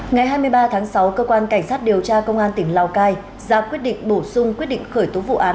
ngày hai mươi ba tháng sáu cơ quan cảnh sát điều tra công an tỉnh lào cai ra quyết định bổ sung quyết định khởi tố vụ án